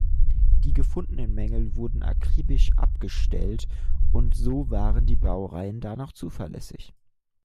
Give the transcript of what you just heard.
Die gefundenen Mängel wurden akribisch abgestellt und so waren die Baureihen danach zuverlässig.